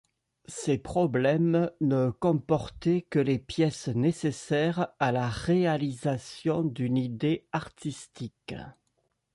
Ses problèmes ne comportaient que les pièces nécessaires à la réalisation d'une idée artistique.